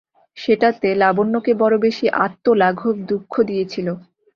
সেটাতে লাবণ্যকে বড়ো বেশি আত্মলাঘব-দুঃখ দিয়েছিল।